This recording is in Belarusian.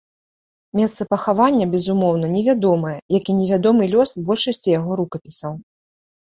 Месца пахавання, безумоўна, невядомае, як і невядомы лёс большасці яго рукапісаў.